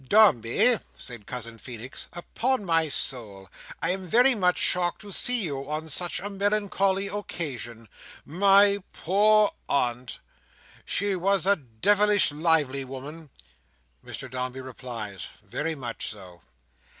"Dombey," said Cousin Feenix, "upon my soul, I am very much shocked to see you on such a melancholy occasion. My poor aunt! She was a devilish lively woman." Mr Dombey replies, "Very much so."